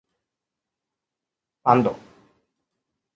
ファンド